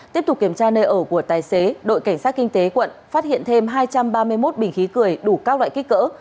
tiếp tục kiểm tra nơi ở của tài xế đội cảnh sát kinh tế quận phát hiện thêm hai trăm ba mươi một bình khí cười đủ các loại kích cỡ